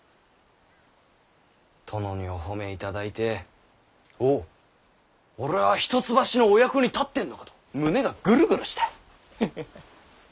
殿にお褒めいただいておぉ俺は一橋のお役に立ってんのかと胸がぐるぐるした。ハハハ。